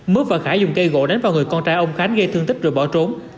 mướt và khải dùng cây gỗ đánh vào người con trai ông khánh gây thương tích rồi bỏ trốn